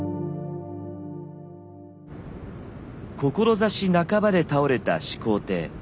志半ばで倒れた始皇帝。